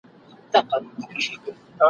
راډیو لا هم مشهوره ده.